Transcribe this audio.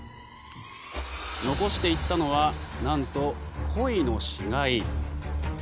残していったのはなんとコイの死骸。